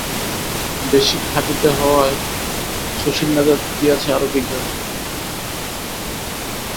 বেশি খাঁটিতে হওয়ায় শশীর মেজাজ গিয়াছে আরও বিগড়াইয়া।